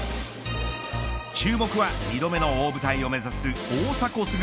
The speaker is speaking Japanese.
注目は、２度目の大舞台を目指す大迫傑。